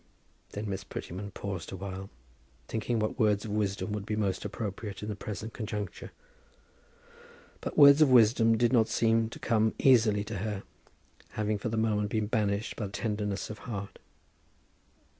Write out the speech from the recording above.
Then Miss Prettyman paused awhile, thinking what words of wisdom would be most appropriate in the present conjuncture. But words of wisdom did not seem to come easily to her, having for the moment been banished by tenderness of heart.